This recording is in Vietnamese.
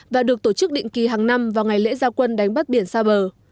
và được tổ chức định kỳ hàng năm vào ngày lễ gia quân đánh bắt biển xa bờ